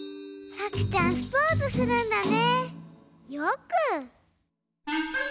さくちゃんスポーツするんだね。